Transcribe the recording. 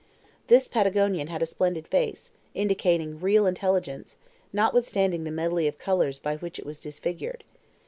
This Patagonian had a splendid face, indicating real intelligence, notwithstanding the medley of colors by which it was disfigured.